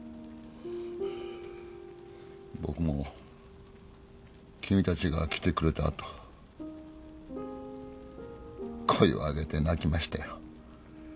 僕も君たちが来てくれた後声を上げて泣きましたよ。